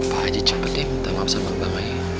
pak haji cepet deh minta maaf sama bang hai